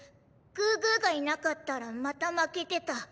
グーグーがいなかったらまた負けてた。